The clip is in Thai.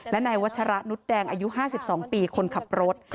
และนายวัชระนุษย์แดงอายุ๕๒ปีคนขับรถ